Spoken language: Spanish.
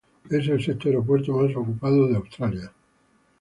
Es el sexto aeropuerto más ocupado de Australia.